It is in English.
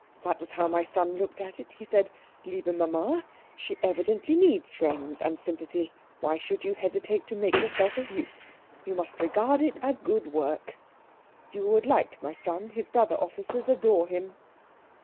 That was how my son looked at it. He said 'Liebe Mama, she evidently needs friends and sympathy why should you hesitate to make yourself of use? You must regard it as a good work.' You would like my son; his brother officers adore him."